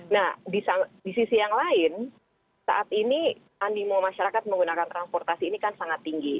nah di sisi yang lain saat ini animo masyarakat menggunakan transportasi ini kan sangat tinggi